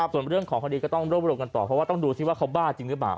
ส่วนเรื่องของคดีก็ต้องรวบรวมกันต่อเพราะว่าต้องดูซิว่าเขาบ้าจริงหรือเปล่า